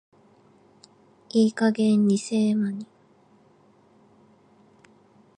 いい加減偽絵保マニ。